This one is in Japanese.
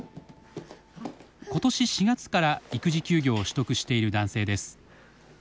今年４月から育児休業を取得している男性です。